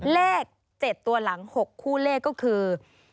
เลข๗ตัวหลัง๖คู่เลขก็คือ